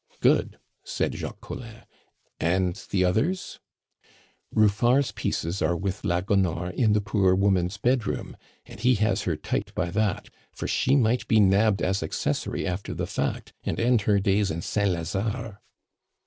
"Good," said Jacques Collin. "And the others?" "Ruffard's pieces are with la Gonore in the poor woman's bedroom, and he has her tight by that, for she might be nabbed as accessory after the fact, and end her days in Saint Lazare."